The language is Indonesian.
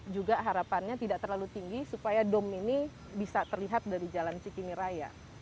juga harapannya tidak terlalu tinggi supaya dom ini bisa terlihat dari jalan cikini raya